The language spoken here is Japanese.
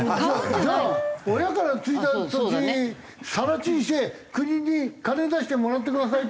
じゃあ親から継いだ土地更地にして国に金出してもらってくださいっていうだけ？